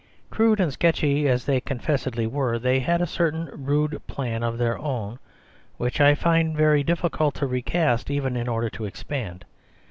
Crude and sketchy as they con fessedly were, they had a certain rude plan of their own, which I find it very difficult to recast even in order to expand.